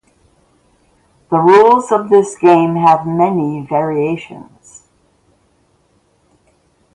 The rules of this game have many variations.